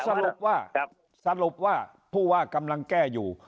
สรุปว่าสรุปว่าผู้ว่ากำลังแก้อยู่